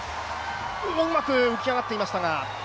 うまく浮き上がっていましたが。